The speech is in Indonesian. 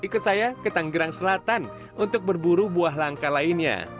ikut saya ke tanggerang selatan untuk berburu buah langka lainnya